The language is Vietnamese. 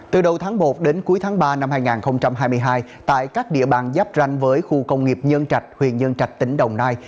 từ đầu tháng một đến cuối tháng ba năm hai nghìn hai mươi hai tại các địa bàn giáp ranh với khu công nghiệp nhân trạch huyện nhân trạch tỉnh đồng nai